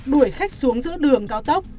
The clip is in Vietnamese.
đuổi khách xuống giữa đường cao tốc